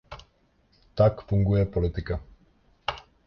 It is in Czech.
Tak funguje politika.